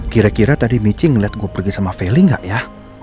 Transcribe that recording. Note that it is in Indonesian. kira kira tadi mitching ngeliat gue pergi sama feli gak ya